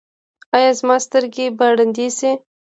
ایا زما سترګې به ړندې شي؟